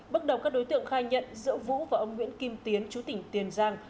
bước đầu các đối tượng khai nhận giữa vũ và ông nguyễn kim tiến chú tỉnh tiền giang